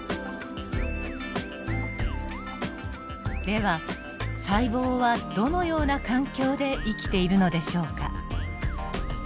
では細胞はどのような環境で生きているのでしょうか。